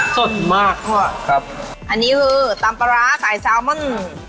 สดมากครับอันนี้คือตำปลาร้าใส่ซาลมอน